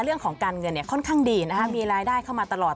เรื่องของการเงินเนี่ยค่อนข้างดีนะคะมีรายได้เข้ามาตลอด